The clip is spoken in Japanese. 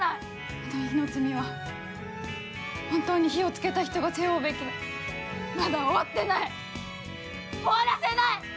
あの日の罪は本当に火をつけた人が背負うべき、まだ終わってない、終わらせない。